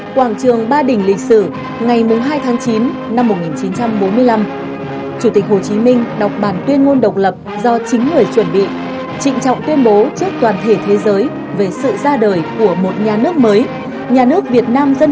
quảng trường ba đình lịch sử ngày hai tháng chín năm một nghìn chín trăm bốn mươi năm chủ tịch hồ chí minh đọc bản tuyên ngôn độc lập do chính người chuẩn bị trịnh trọng tuyên bố trước toàn thể thế giới về sự ra đời của một nhà nước mới